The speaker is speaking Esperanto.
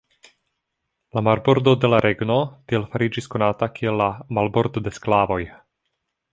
La marbordo de la regno tiel fariĝis konata kiel la "Marbordo de sklavoj".